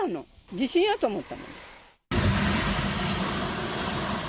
地震やと思った。